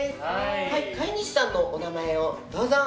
飼い主さんのお名前をどうぞ。